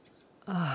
ああ。